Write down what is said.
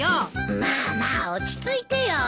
まあまあ落ち着いてよ。